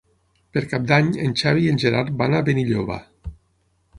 Per Cap d'Any en Xavi i en Gerard van a Benilloba.